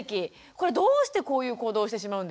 これどうしてこういう行動をしてしまうんでしょうか？